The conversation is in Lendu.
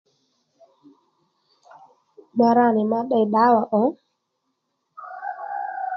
Ma ra nì ma tdey ddǎwà ò